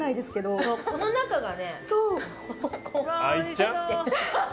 この中がね。